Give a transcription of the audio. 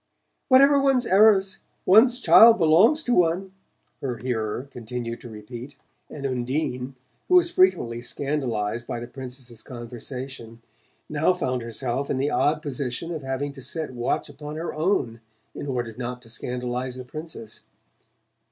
"Whatever one's errors, one's child belongs to one," her hearer continued to repeat; and Undine, who was frequently scandalized by the Princess's conversation, now found herself in the odd position of having to set a watch upon her own in order not to scandalize the Princess.